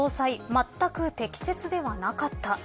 まったく適切ではなかった。